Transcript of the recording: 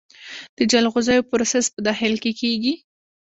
د جلغوزیو پروسس په داخل کې کیږي؟